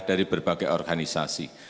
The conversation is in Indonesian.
dari berbagai organisasi